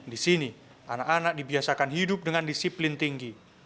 di sini anak anak dibiasakan hidup dengan disiplin tinggi